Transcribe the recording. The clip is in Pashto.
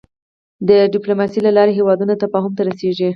د د ډيپلوماسی له لارې هېوادونه تفاهم ته رسېږي.